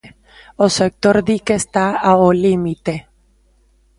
O sector di que está ao límite.